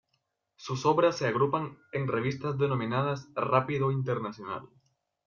Sus obras se agrupan en revistas denominadas "Rápido internacional".